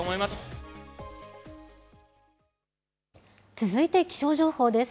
続いて気象情報です。